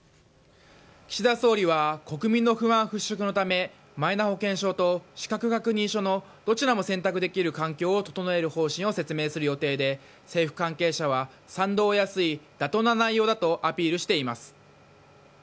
岸田総理は国民の不安払拭のためマイナ保険証と資格確認書のどちらも選択できる環境を整える方針を説明する予定で政府関係者は賛同を得やすい妥当な内容だとアピールしています。